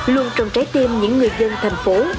luôn trong trái tim những người dân thành phố